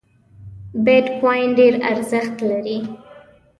بیټ کواین ډېر ارزښت لري